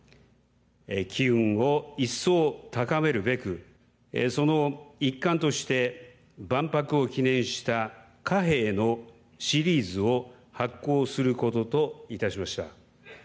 機運を一層、高めるべくその一環として万博を記念した貨幣のシリーズを発行することといたしました。